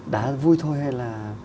đá vui thôi hay là